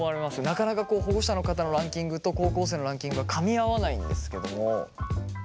なかなか保護者の方のランキングと高校生のランキングがかみ合わないんですけども。